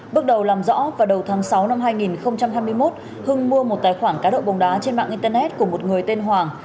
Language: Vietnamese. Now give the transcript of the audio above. bước đầu làm rõ vào đầu tháng sáu năm hai nghìn hai mươi một hưng mua một tài khoản cá độ bóng đá trên mạng internet của một người tên hoàng